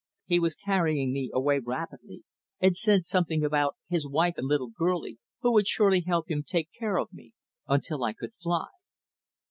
He was carrying me away rapidly, and said something about his wife and "little girlie," who would surely help him take care of me until I could fly.